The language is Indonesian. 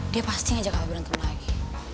dia pasti ngajak apa berantem lagi